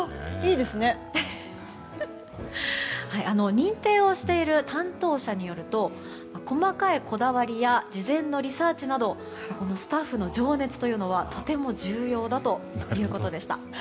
認定をしている担当者によると細かいこだわりや事前のリサーチなどこのスタッフの情熱というのはとても重要だということでした。